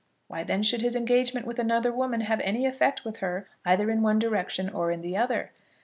Why then should his engagement with another woman have any effect with her either in one direction or in the other?